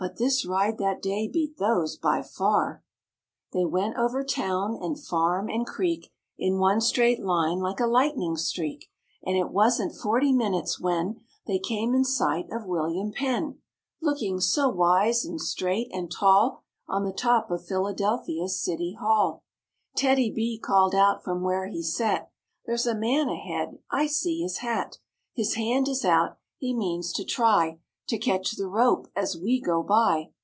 " 74 MORE ABOUT THE ROOSEVELT BEARS They went over town and farm and creek In one straight line like a lightning streak, And it wasn't forty minutes when They came in sight of William Penn Looking so wise and straight and tall On the top of Philadelphia's city hall. TEDDY—B called out from where he sat, " There's a man ahead; I see his hat; His hand is out; he means to try To catch the rope as we go by."